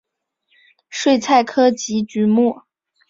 睡菜科及菊目。